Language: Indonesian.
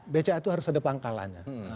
bca itu harus ada pangkalannya